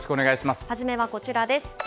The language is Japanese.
初めはこちらです。